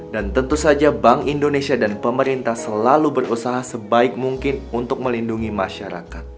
dan tentu saja bank indonesia dan pemerintah selalu berusaha sebaik mungkin untuk melindungi masyarakat